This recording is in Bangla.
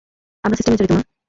আমরা সিস্টেমে জড়িত, মা?